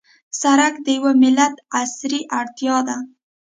سړک د یوه ملت عصري اړتیا ده.